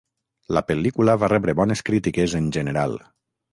La pel·lícula va rebre bones crítiques en general.